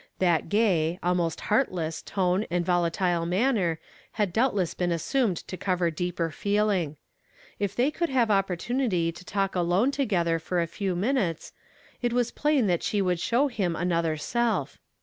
That gay, almost heart less tone and volatile manner had doubtless been assumed to cover deeper feeling. If they could have opportunity to talk alone together for a few minutes, it was plain that slie would show him an other self.